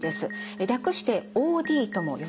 略してＯＤとも呼ばれます。